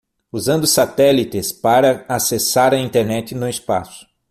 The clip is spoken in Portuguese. Usando satélites para acessar a Internet no espaço